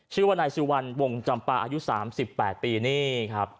ชื่อว่านายซิวัลวงจำป่าอายุสามสิบแปดปีนี่ครับ